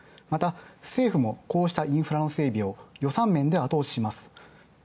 また、政府もこうしたインフラの整備を予算面で後押しします。